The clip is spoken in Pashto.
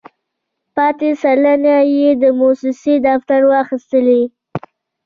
پاتې سلنه یې د موسسې دفتر واخیستې.